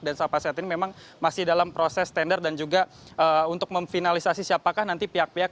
dan sampai saat ini memang masih dalam proses tender dan juga untuk memfinalisasi siapakah nanti pihak pihak